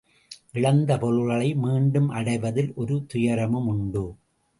இழந்த பொருள்களை மீண்டும் அடைவதில் ஒரு துயரமும் உண்டு.